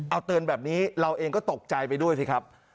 เอาเตือนแบบนี้เราเองก็ตกใจไปด้วยสิครับ